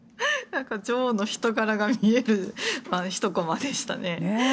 女王の人柄が見えるひとコマでしたね。